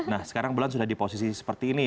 nah sekarang bulan sudah di posisi seperti ini